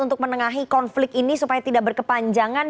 untuk menengahi konflik ini supaya tidak berkepanjangan